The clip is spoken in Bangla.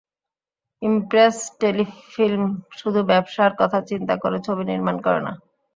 ইমপ্রেস টেলিফিল্ম শুধু ব্যবসার কথা চিন্তা করে ছবি নির্মাণ করে না।